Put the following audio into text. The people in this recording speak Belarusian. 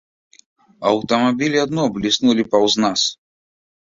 Аўтамабілі адно бліснулі паўз нас.